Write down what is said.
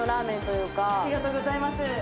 ありがとうございます。